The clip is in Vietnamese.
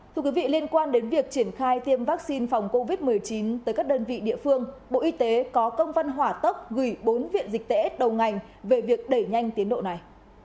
thưa quý vị liên quan đến việc triển khai tiêm vaccine phòng covid một mươi chín tới các đơn vị địa phương bộ y tế có công văn hỏa tốc gửi bốn viện dịch tễ đầu ngành về việc đẩy nhanh tiến độ này